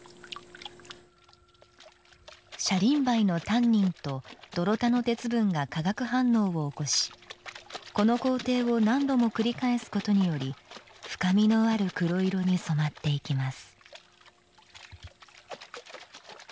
シャリンバイのタンニンと泥田の鉄分が化学反応を起こし、この工程を何度も繰り返すことにより、深みのある黒色に染まっていきます。